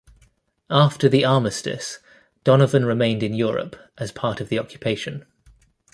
After the Armistice, Donovan remained in Europe as part of the occupation.